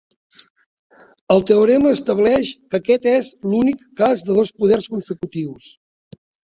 El teorema estableix que aquest és l'"únic" cas de dos poders consecutius.